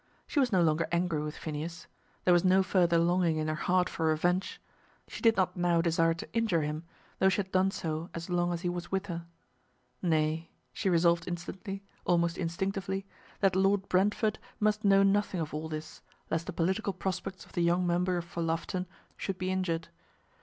She was no longer angry with Phineas. There was no further longing in her heart for revenge. She did not now desire to injure him, though she had done so as long as he was with her. Nay, she resolved instantly, almost instinctively, that Lord Brentford must know nothing of all this, lest the political prospects of the young member for Loughton should be injured.